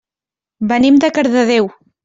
Venim de Cardedeu.